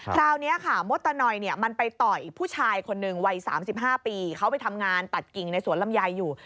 คราวนี้ค่ะมดตะนอยมันไปต่อยผู้ชายคนหนึ่งวัย๓๕ปีเขาไปทำงานตัดกิ่งในสวนลำไยอยู่